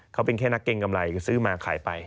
เขาเป็นแค่นักเกงกำไรก็ซื้อมาขายไป